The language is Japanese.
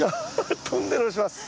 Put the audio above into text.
トンネルをします。